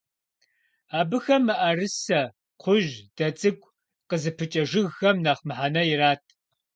Абыхэм мыӀэрысэ, кхъужь, дэ цӀыкӀу къызыпыкӀэ жыгхэм нэхъ мыхьэнэ ират.